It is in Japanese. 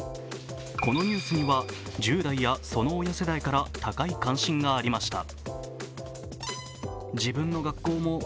このニュースには１０代や、その親世代から高い関心がありました。